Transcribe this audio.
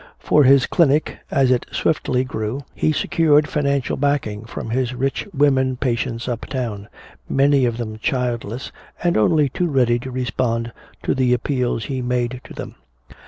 For his clinic, as it swiftly grew, he secured financial backing from his rich women patients uptown, many of them childless and only too ready to respond to the appeals he made to them.